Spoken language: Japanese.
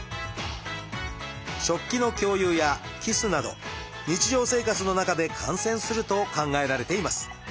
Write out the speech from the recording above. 食器の共有やキスなど日常生活の中で感染すると考えられています。